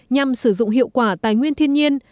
nhằm sử dụng hiệu quả tài nguyên thiên nhiên